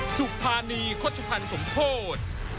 สุภานีข้อชุภัณฑ์สมโทษ